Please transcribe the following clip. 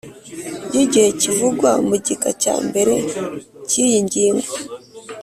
Y igihe kivugwa mu gika cya mbere cy iyi ngingo